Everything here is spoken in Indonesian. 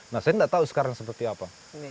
nah saya nggak tahu sekarang seperti apa